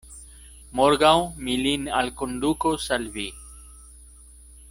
Morgaŭ mi lin alkondukos al vi.